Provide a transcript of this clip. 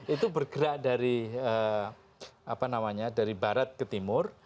itu bergerak dari barat ke timur